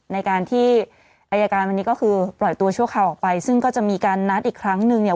ในการที่อายการวันนี้ก็คือปล่อยตัวชั่วคราวออกไปซึ่งก็จะมีการนัดอีกครั้งนึงเนี่ย